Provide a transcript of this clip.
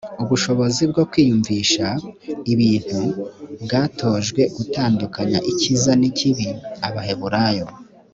ubushobozi bwo kwiyumvisha ibintu bwatojwe gutandukanya icyiza n ikibi abaheburayo